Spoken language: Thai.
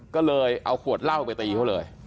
ก็เลยเอาขวดเหล้าไปตีเขาเลย